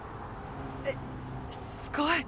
えっすごい！